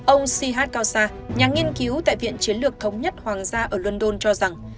ông sihad kausar nhà nghiên cứu tại viện chiến lược thống nhất hoàng gia ở london cho rằng